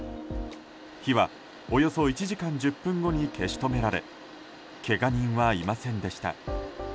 火は、およそ１時間１０分後に消し止められけが人はいませんでした。